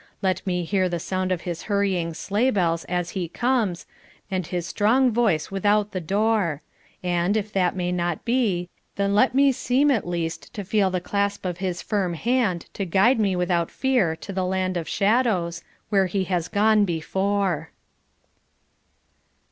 Let me hear the sound of his hurrying sleighbells as he comes, and his strong voice without the door and, if that may not be, then let me seem at least to feel the clasp of his firm hand to guide me without fear to the Land of Shadows, where he has gone before.